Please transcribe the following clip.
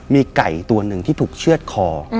มีไก่ตัวหนึ่งที่ถูกเชื่อดคอ